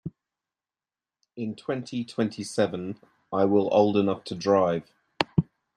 In twenty-twenty-seven I will old enough to drive.